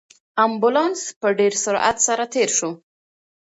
امبولانس په ډېر سرعت سره تېر شو.